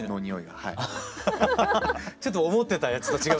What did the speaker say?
ハハハハッちょっと思ってたやつと違う。